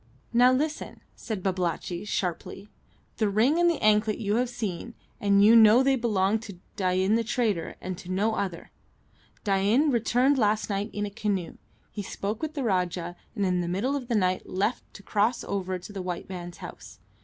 "Now, listen," said Babalatchi, sharply. "The ring and the anklet you have seen, and you know they belonged to Dain the trader, and to no other. Dain returned last night in a canoe. He spoke with the Rajah, and in the middle of the night left to cross over to the white man's house.